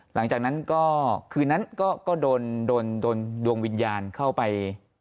หลังจากนั้นก็คืนนั้นก็โดนดวงวิญญาณเข้าไป